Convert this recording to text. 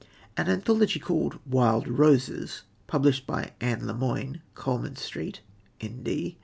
An anthology called "Wild Roses" (published by Anne Lemoine, Coleman Street, n.d.)